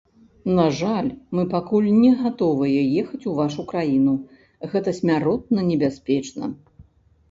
На жаль, мы пакуль не гатовыя ехаць у вашу краіну, гэта смяротна небяспечна.